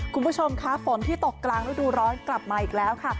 คุณผู้ชมคะฝนที่ตกกลางฤดูร้อนกลับมาอีกแล้วค่ะ